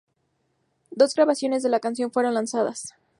Dos grabaciones de la canción fueron lanzadas.